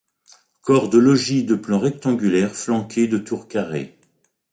Corps de logis de plan rectangulaire flanqué de tours carrées.